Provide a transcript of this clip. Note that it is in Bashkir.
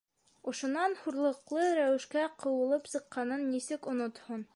Ошонан хурлыҡлы рәүештә ҡыуылып сыҡҡанын нисек онотһон?